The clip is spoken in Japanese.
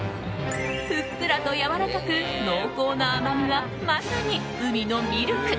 ふっくらとやわらかく濃厚な甘みは、まさに海のミルク。